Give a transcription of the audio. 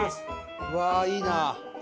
うわあいいな。